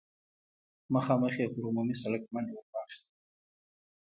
مخامخ يې پر عمومي سړک منډه ور واخيسته.